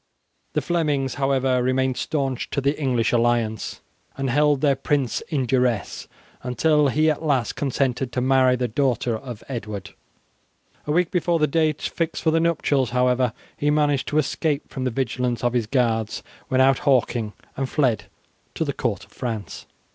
The Flemings, however, remained stanch to the English alliance, and held their prince in duresse until he at last consented to marry the daughter of Edward. A week before the date fixed for the nuptials, however, he managed to escape from the vigilance of his guards when out hawking, and fled to the court of France.